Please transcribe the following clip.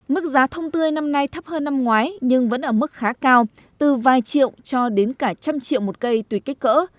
mức giá thông tươi năm nay thấp hơn năm ngoái nhưng vẫn ở mức khá cao từ vài triệu cho đến cả trăm triệu một cây tùy kích cỡ